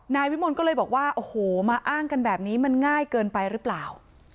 นายวิมลก็เลยบอกว่าโอ้โหมาอ้างกันแบบนี้มันง่ายเกินไปหรือเปล่า